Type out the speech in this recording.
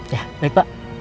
ya baik pak